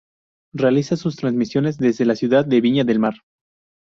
Realiza sus transmisiones desde la ciudad de Viña del Mar.